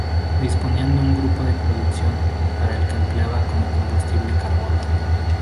Disponía de un grupo de producción, para el que empleaba como combustible carbón.